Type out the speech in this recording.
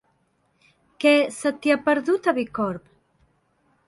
Què se t'hi ha perdut, a Bicorb?